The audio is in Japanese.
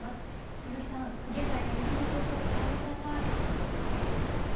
鈴木さん、現在の雪の状況を伝えてください。